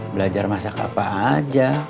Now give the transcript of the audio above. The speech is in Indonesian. belajar masak apa aja